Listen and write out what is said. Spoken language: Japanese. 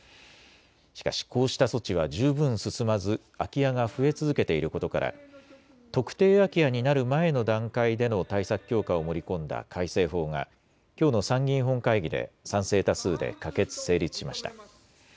しかしこうした措置は十分進まず空き家が増え続けていることから特定空き家になる前の段階での対策強化を盛り込んだ改正法がきょうの参議院本会議で賛成多数で可決・成立しました。